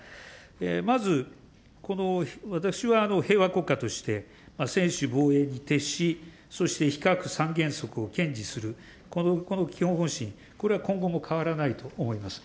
まず、私は平和国家として、専守防衛に徹し、そして非核三原則を堅持する、この基本方針、これは今後も変わらないと思います。